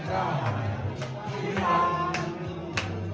ขอให้ด้วยพอให้เธอสมถนฝันได้